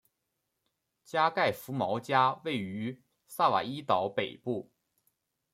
加盖福毛加位于萨瓦伊岛北部。